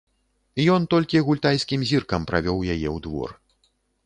Ён толькі гультайскім зіркам правёў яе ў двор.